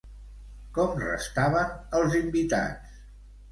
Com restaven els invitats?